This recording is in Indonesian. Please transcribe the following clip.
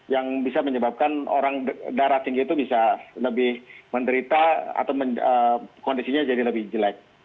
yang bisa menyebabkan orang darah tinggi itu bisa lebih menderita atau kondisinya jadi lebih jelek